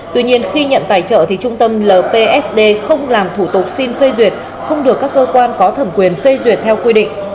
tuy nhiên khi nhận tài trợ trung tâm lpsd không làm thủ tục xin phê duyệt không được các cơ quan có thẩm quyền phê duyệt theo quy định